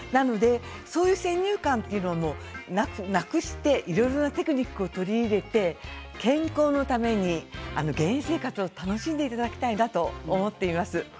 そういう先入観はなくしていろいろなテクニックを取り入れて健康のために減塩生活を楽しんでいただきたいなと思っています。